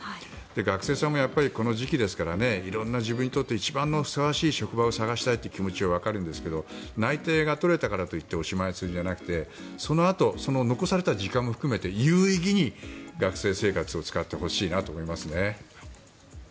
学生さんもこの時期ですから色んな自分にとって一番のふさわしい職場を探したいという気持ちはわかるんですが内定が取れたからといっておしまいにするのではなくてそのあと残された時間も含めて有意義に学生生活を送ってほしいと思いますね。